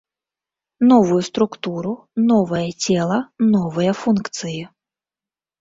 Новую структуру, новае цела, новыя функцыі.